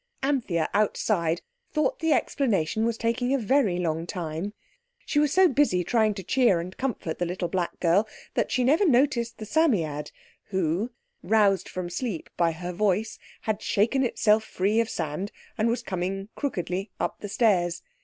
Anthea outside thought the explanation was taking a very long time. She was so busy trying to cheer and comfort the little black girl that she never noticed the Psammead who, roused from sleep by her voice, had shaken itself free of sand, and was coming crookedly up the stairs.